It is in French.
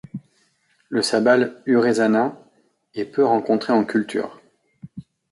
Le Sabal uresana est peu rencontré en culture.